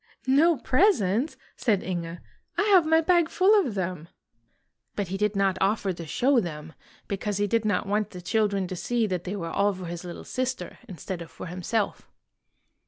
" No presents! " said Inge. " I have my bag full of them." But he did not offer to show them, because he did not want the children to see that they were all for his little sister instead of for himself.